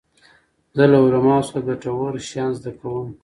زه له علماوو څخه ګټور شیان زده کوم.